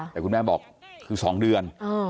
แต่คุณแม่บอกคือ๒เดือน